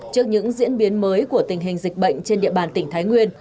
trước những diễn biến mới của tình hình dịch bệnh trên địa bàn tỉnh thái nguyên